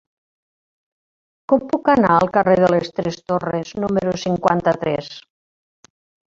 Com puc anar al carrer de les Tres Torres número cinquanta-tres?